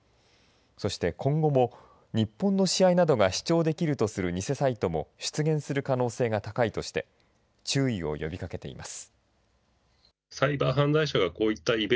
そして今後も、日本の試合などが視聴できるとする偽サイトも出現する可能性が高いとして注意を呼びかけています。